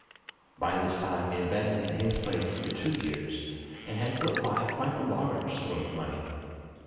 By this time he had been in his place for two years, and had put by quite a large sum of money.